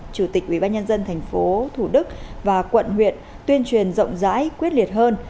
chủ tịch ubnd tp thủ đức và quận huyện tuyên truyền rộng rãi quyết liệt hơn